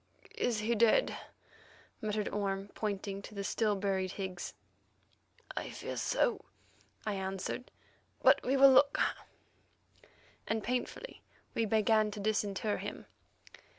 "Is he dead?" muttered Orme, pointing to the still buried Higgs. "Fear so," I answered, "but we'll look;" and painfully we began to disinter him.